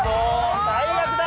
最悪だ！